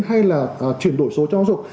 hay là chuyển đổi số cho dục